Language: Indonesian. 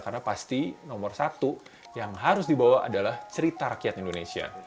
karena pasti nomor satu yang harus dibawa adalah cerita rakyat indonesia